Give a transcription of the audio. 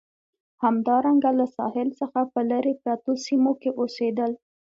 همدارنګه له ساحل څخه په لرې پرتو سیمو کې اوسېدل.